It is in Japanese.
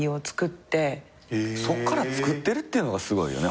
そっからつくってるっていうのがすごいよね